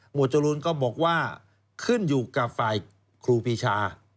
จรูนก็บอกว่าขึ้นอยู่กับฝ่ายครูปีชา